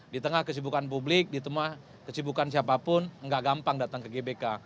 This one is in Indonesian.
di tengah kesibukan publik di tengah kesibukan siapapun nggak gampang datang ke gbk